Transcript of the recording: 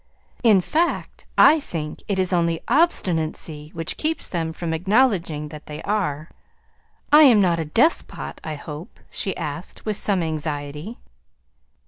In fact, I think it is only obstinacy which keeps them from acknowledging that they are. I am not a despot, I hope?" she asked, with some anxiety.